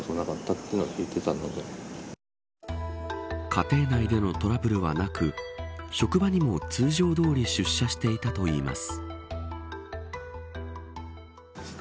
家庭内でのトラブルはなく職場にも通常どおり出社していたといいます。